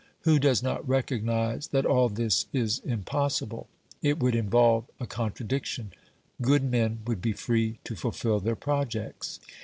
Who does not recognise that all this is impossible ? It would involve a contradiction ; good men would be free to fulfil their projects